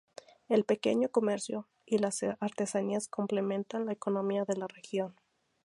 El pequeño comercio y las artesanías complementan la economía de la región.